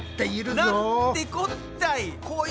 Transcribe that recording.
なんてこったい！